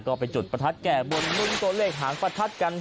ก็ไปจุดประทัดแก้บนลุ้นตัวเลขหางประทัดกัน